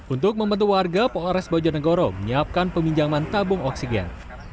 untuk membantu warga polres bojonegoro menyiapkan peminjaman tabung oksigen